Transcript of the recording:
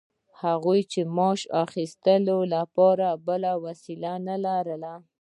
هغوی چې د معاش اخیستلو لپاره بله وسیله نلري